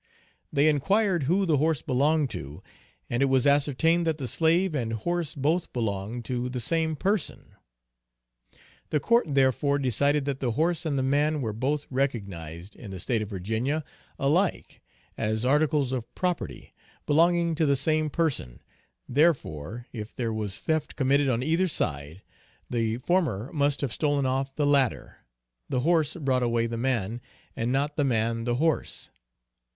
They enquired who the horse belonged to, and it was ascertained that the slave and horse both belonged to the same person. The court therefore decided that the horse and the man were both recognised, in the State of Virginia, alike, as articles of property, belonging to the same person therefore, if there was theft committed on either side, the former must have stolen off the latter the horse brought away the man, and not the man the horse.